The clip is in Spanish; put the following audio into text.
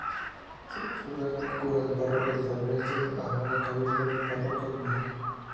Fue cura párroco de San Lorenzo y abad del cabildo de párrocos de Madrid.